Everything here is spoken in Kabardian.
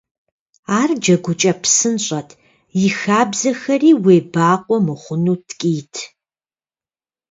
Ар джэгукӀэ псынщӏэт, и хабзэхэри уебакъуэ мыхъуну ткӀийт.